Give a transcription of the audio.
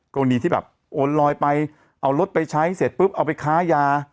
กรณีที่แบบโอนลอยไปเอารถไปใช้เสร็จปุ๊บเอาไปค้ายา